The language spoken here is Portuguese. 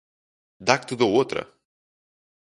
Dá que te dou outra!